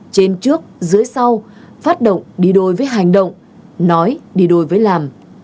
trên trước dưới sau phát động đi đôi với hành động nói đi đôi với làm